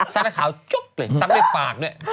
ซักแล้วขาวจ๊อกเลยซักในปากด้วย